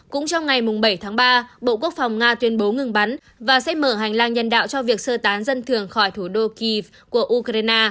cũng trong ngày bảy tháng ba bộ quốc phòng nga tuyên bố ngừng bắn và sẽ mở hành lang nhân đạo cho việc sơ tán dân thường khỏi thủ đô kiev của ukraine